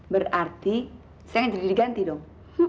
berarti saya jadi diganti dong